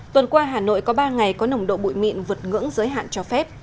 tuần qua hà nội có ba ngày có nồng độ bụi mịn vượt ngưỡng giới hạn cho phép